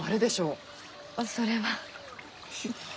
それは。